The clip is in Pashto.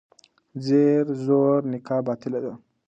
زیر زور نکاح باطله ده.